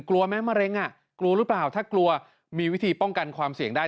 กลัวไหมมะเร็งอ่ะกลัวหรือเปล่าถ้ากลัวมีวิธีป้องกันความเสี่ยงได้